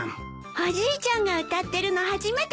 おじいちゃんが歌ってるの初めて聞きました。